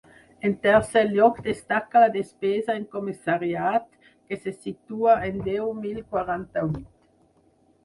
En tercer lloc destaca la despesa en comissariat, que se situa en deu mil quaranta-vuit.